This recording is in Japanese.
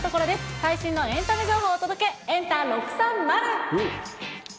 最新のエンタメ情報お届け、エンタ６３０。